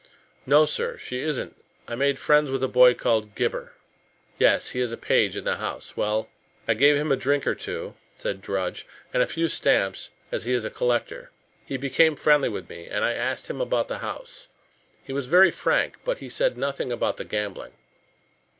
"No, sir, she isn't. I made friends with a boy called Gibber " "Yes. He is a page in the house. Well?" "I gave him a drink or two," said Drudge, "and a few stamps, as he is a collector. He become friendly with me, and I asked him about the house. He was very frank, but he said nothing about the gambling."